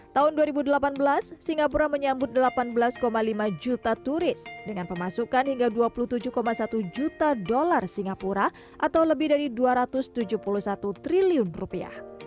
tahun dua ribu delapan belas singapura menyambut delapan belas lima juta turis dengan pemasukan hingga dua puluh tujuh satu juta dolar singapura atau lebih dari dua ratus tujuh puluh satu triliun rupiah